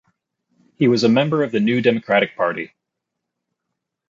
He was a member of the New Democratic Party.